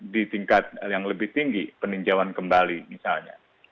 di tingkat yang lebih tinggi peninjauan kembali misalnya